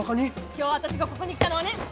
今日私がここに来たのはね！